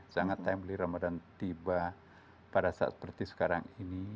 sangat timbully ramadan tiba pada saat seperti sekarang ini